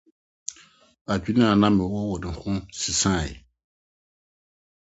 Adwene a na mewɔ wɔ ne ho sesae.